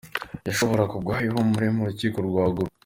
Yashoboraga kugwa igihumure mu rukiko rwa Gulu.